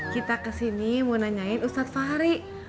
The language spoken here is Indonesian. kita kesini mau nanyain ustadz fahri